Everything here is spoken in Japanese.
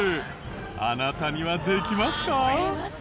あなたにはできますか？